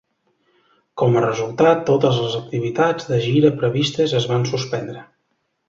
Com a resultat, totes les activitats de gira previstes es van suspendre.